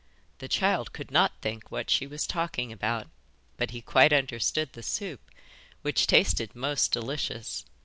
The child could not think what she was talking about, but he quite understood the soup, which tasted most delicious.